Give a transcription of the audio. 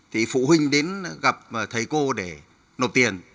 thì phụ huynh đến gặp thầy cô để nộp tiền